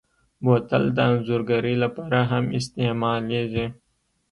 بوتل د انځورګرۍ لپاره هم استعمالېږي.